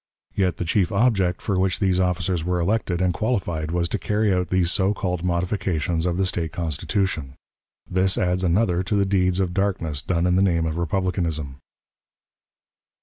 Yet the chief object for which these officers were elected and qualified was to carry out these so called modifications of the State Constitution. This adds another to the deeds of darkness done in the name of republicanism.